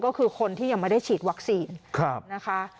ก็คือคนที่ยังไม่ได้ฉีดวัคซีนนะคะ